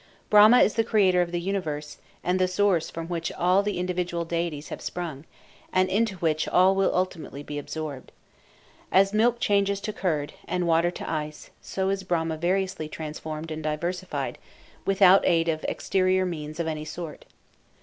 Brahma is the creator of the universe, and the source from which all the individual deities have sprung, and into which all will ultimately be absorbed. "As milk changes to curd, and water to ice, so is Brahma variously transformed and diversified, without aid of exterior means of any sort."